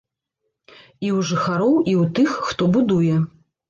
І ў жыхароў, і ў тых, хто будуе.